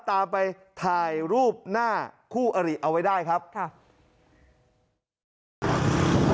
ตามไปถ่ายรูปหน้าคู่อริเอาไว้ได้ครับค่ะ